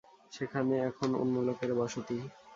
সেখানে এখন অন্য লোকের বসতি।